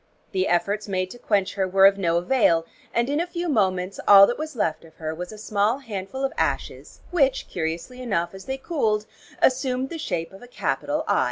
The efforts made to quench her were of no avail and in a few moments all that was left of her was a small handful of ashes, which curiously enough, as they cooled, assumed the shape of a capital 'I.'